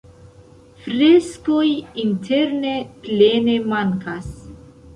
Freskoj interne plene mankas.